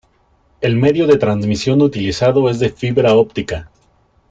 El medio de transmisión utilizado es de fibra óptica.